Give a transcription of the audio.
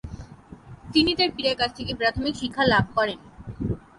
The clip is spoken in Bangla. তিনি তার পিতার কাছ থেকে প্রাথমিক শিক্ষা লাভ করেন।